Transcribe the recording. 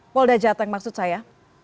polda jawa tengah maksud saya